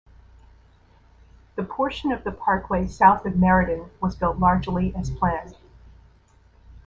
The portion of the parkway south of Meriden was built largely as planned.